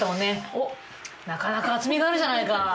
おっなかなか厚みがあるじゃないか。